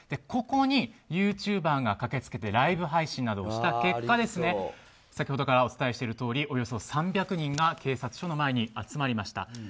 ここにユーチューバーが駆けつけてライブ配信などをした結果先ほどからお伝えしているとおりおよそ３００人が警察署の前に集まりました。